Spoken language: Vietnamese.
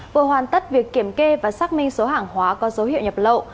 vừa hoàn tất việc kiểm kê và xác minh số hàng hóa có dấu hiệu nhập lậu